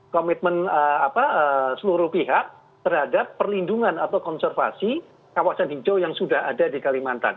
komitmen seluruh pihak terhadap perlindungan atau konservasi kawasan hijau yang sudah ada di kalimantan